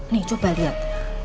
nih coba lihat